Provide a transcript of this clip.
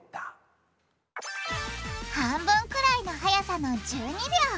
半分くらいのはやさの１２秒。